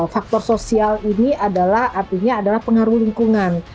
faktor sosial ini adalah artinya adalah pengaruh lingkungan